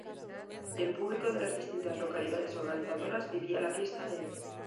Y el público de las distintas localidades organizadoras vivía la fiesta de!